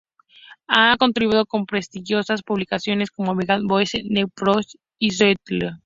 Ha contribuido con prestigiosas publicaciones como "Village Voice", "New York Times" y Slate.com.